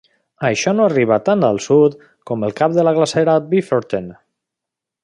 Això no arriba tant al sud com el cap de la glacera Biferten.